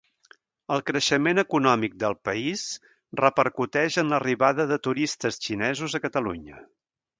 El creixement econòmic del país repercuteix en l'arribada de turistes xinesos a Catalunya.